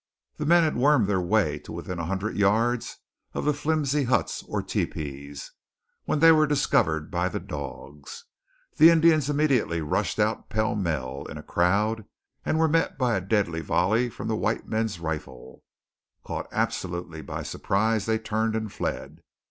The men had wormed their way to within a hundred yards of the flimsy huts, or tepees, when they were discovered by the dogs. The Indians immediately rushed out pell mell, in a crowd, and were met by a deadly volley from the white men's rifles. Caught absolutely by surprise, they turned and fled.